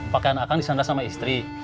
pakaian akan disandar sama istri